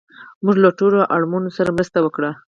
موږ له ټولو اړمنو سره مرسته وکړه